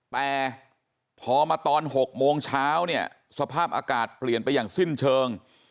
แต่พอมาตอน๖โมงเช้าเนี่ยสภาพอากาศเปลี่ยนไปอย่างสิ้นเชิง